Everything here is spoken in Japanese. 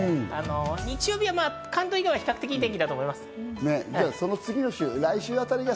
日曜日は関東以外は比較的良い天気だと思います。